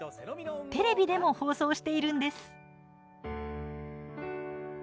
テレビでも放送しているんです。